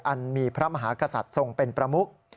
อันมีพระมหากษัตริย์ทรงเป็นประมุก